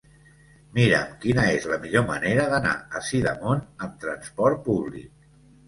Mira'm quina és la millor manera d'anar a Sidamon amb trasport públic.